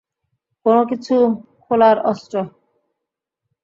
কোনোকিছু খোলার অস্ত্র?